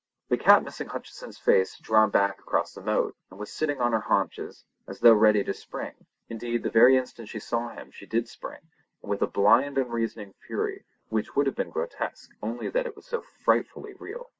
The cat missing Hutcheson's face had drawn back across the moat, and was sitting on her haunches as though ready to spring. Indeed, the very instant she saw him she did spring, and with a blind unreasoning fury, which would have been grotesque, only that it was so frightfully real.